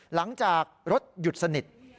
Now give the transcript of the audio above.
หลังจากรถหยุดสนิท